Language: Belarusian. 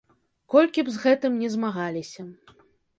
Колькі б з гэтым ні змагаліся.